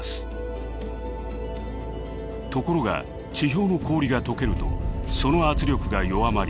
ところが地表の氷が解けるとその圧力が弱まりマグマが上昇します。